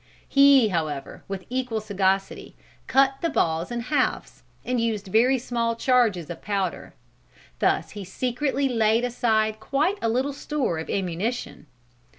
He however, with equal sagacity, cut the balls in halves, and used very small charges of powder. Thus he secretly laid aside quite a little store of ammunition.